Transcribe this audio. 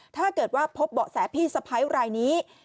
ถ้าเกิดว่าพบเบาะแสพี่สะพ้ายรายนี้